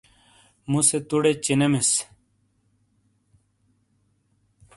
مُوسے توڑے چِینےمِیس۔